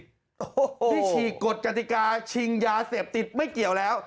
นี่ฉีกกฎกติกาชิงยาเสพติดไม่เกี่ยวแล้ว